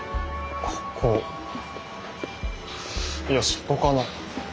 ここいやそこかな。